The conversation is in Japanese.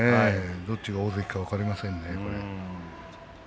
どっちが大関か分かりませんよね、これ。